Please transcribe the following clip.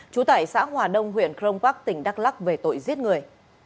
trú tại xã hòa đông huyện crong park tỉnh đắk lắc về tội giết người